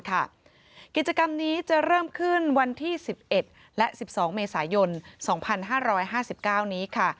กิจกรรมนี้จะเริ่มขึ้นวันที่๑๑และ๑๒เมษายน๒๕๕๙นี้ค่ะ